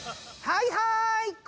はいはい！